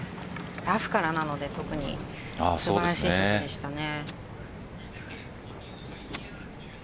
ラフからなので特に素晴らしいショットでしたね。